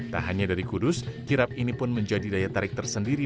tak hanya dari kudus kirap ini pun menjadi daya tarik tersendiri